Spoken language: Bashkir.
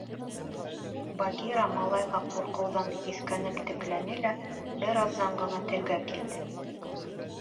Багира малайға ҡурҡыуҙан һиҫкәнеп текләне лә бер аҙҙан ғына телгә килде.